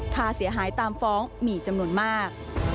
ค่าเสียหายตามฟ้องมีจำนวนมาก